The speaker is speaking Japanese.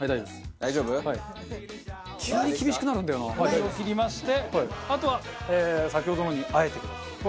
大丈夫？お湯を切りましてあとは先ほどのに和えてください。